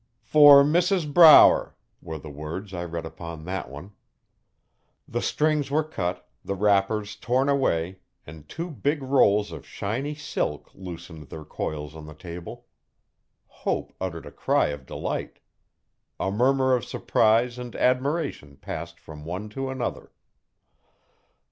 'For Mrs Brower,' were the words I read upon that one. The strings were cut, the wrappers torn away, and two big rolls of shiny silk loosened their coils on the table. Hope uttered a cry of delight. A murmur of surprise and admiration passed from one to another.